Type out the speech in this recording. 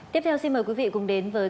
tiếp theo xin mời quý vị cùng đến với các bạn